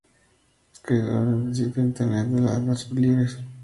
Es coeditor del sitio de internet de Letras Libres.